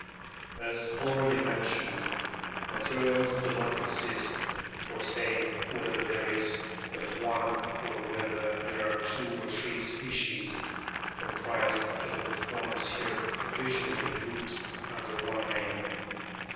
As already mentioned, materials do not exist for saying whether there is but one or whether there are two or three species comprised in the forms here provisionally grouped under one name.